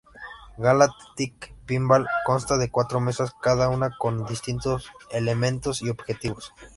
Galactic Pinball consta de cuatro mesas, cada una con distintos elementos y objetivos.